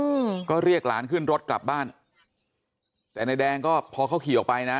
อืมก็เรียกหลานขึ้นรถกลับบ้านแต่นายแดงก็พอเขาขี่ออกไปนะ